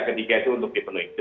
ketiga itu untuk dipenuhi